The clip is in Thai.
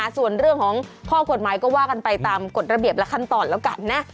ส่วนเรื่องของข้อกฎหมายก็ว่ากันไปตามกฎระเบียบและขั้นตอนแล้วกันนะ